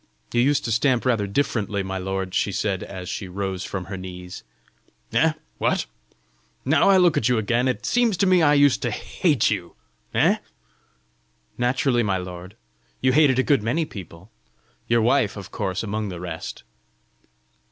"You used to stamp rather differently, my lord!" she said, as she rose from her knees. "Eh? what! Now I look at you again, it seems to me I used to hate you! Eh?" "Naturally, my lord! You hated a good many people! your wife, of course, among the rest!"